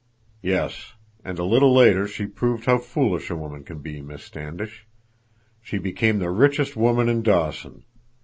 "Yes, and a little later she proved how foolish a woman can be, Miss Standish. She became the richest woman in Dawson.